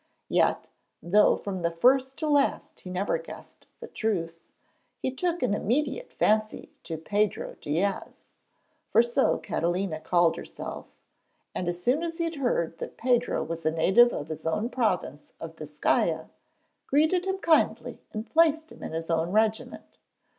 Yet, though from first to last he never guessed the truth, he took an immediate fancy to 'Pedro Diaz' for so Catalina called herself and, as soon as he heard that Pedro was a native of his own province of Biscaya, greeted him kindly and placed him in his own regiment.